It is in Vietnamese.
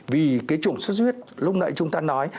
vì cái trùng suốt huyết lúc nãy chúng ta nói